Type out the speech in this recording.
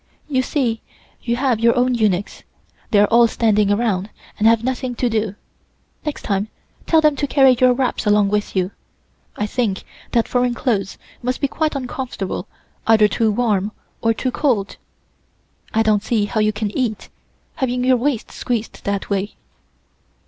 You see you have your own eunuchs, they are all standing around, and have nothing to do. Next time tell them to carry your wraps along with you. I think that foreign clothes must be quite uncomfortable either too warm or too cold. I don't see how you can eat, having your waist squeezed that way."